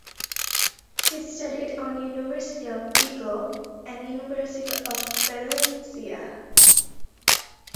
He studied on University of Vigo and University of Valencia.